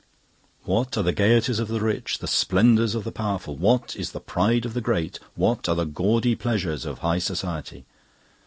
"'What are the gaieties of the Rich, the splendours of the Powerful, what is the pride of the Great, what are the gaudy pleasures of High Society?